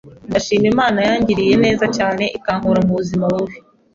Ndashima Imana yangiriye neza cyne ikankura mu buzima bubi